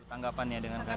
anggapannya dengan karir